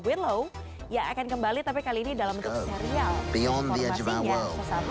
willow ya akan kembali tapi kali ini dalam bentuk serial